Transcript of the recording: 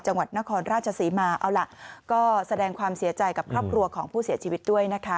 จังหวัดนครราชศรีมาเอาล่ะก็แสดงความเสียใจกับครอบครัวของผู้เสียชีวิตด้วยนะคะ